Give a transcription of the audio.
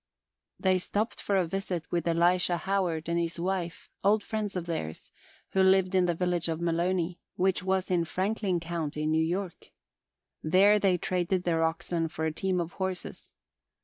They stopped for a visit with Elisha Howard and his wife, old friends of theirs, who lived in the village of Malone, which was in Franklin County, New York. There they traded their oxen for a team of horses.